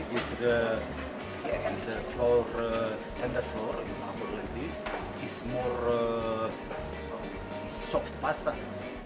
pada dasarnya ini adalah panggilan yang lebih lembut